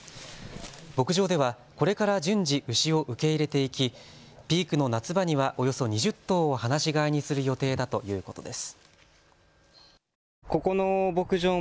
牧場ではこれから順次、牛を受け入れていきピークの夏場にはおよそ２０頭を放し飼いにする予定だということです。